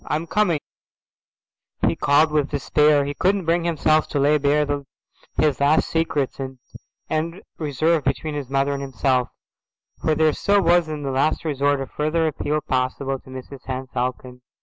"I'm coming," he called with despair; he couldn't bring himself to lay bare his last secrets and end reserve between his mother and himself, for there was still in the last resort a further appeal possible to Mrs Henne Falcon.